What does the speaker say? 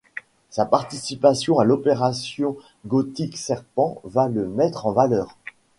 Sa participation à l'opération Gothic Serpent va le mettre en valeur.